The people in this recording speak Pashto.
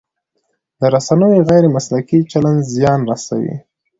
د رسنیو غیر مسلکي چلند زیان رسوي.